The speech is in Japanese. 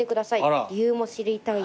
理由も知りたいです」